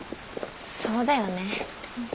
そうだよね。